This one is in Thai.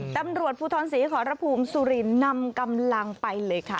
ตำรวจภูทรศรีขอรภูมิสุรินนำกำลังไปเลยค่ะ